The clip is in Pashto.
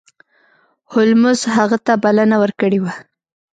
هولمز هغه ته بلنه ورکړې وه.